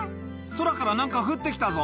空からなんか降ってきたぞ。